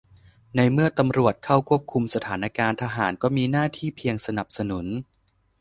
ในเมื่อตำรวจเข้าควบคุมสถานการณ์ ทหารก็มีหน้าที่เพียงสนับสนุน